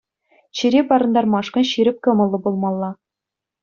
Чире парӑнтармашкӑн ҫирӗп кӑмӑллӑ пулмалла.